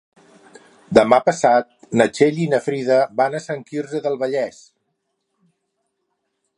Demà passat na Txell i na Frida van a Sant Quirze del Vallès.